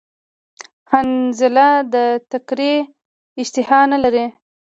حنظله د تکری اشتها نلری